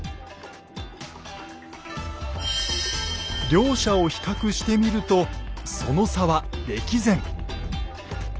両者を比較してみるとその差は歴然。